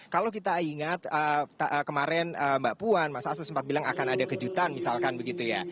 kalau kita ingat kemarin mbak puan mas astu sempat bilang akan ada kejutan misalkan begitu ya